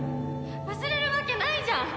忘れるわけないじゃん！